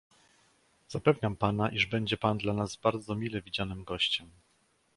"Zapewniam pana, iż będzie pan dla nas bardzo mile widzianym gościem."